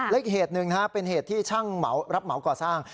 และอีกเหตุหนึ่งเป็นเหตุที่ช่างรับเหมาก่อสร้าง